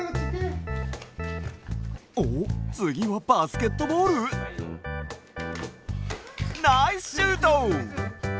おっつぎはバスケットボール？ナイスシュート！